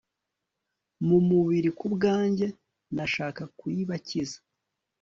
mu mubiri, ku bwanjye nashaka kuyibakiza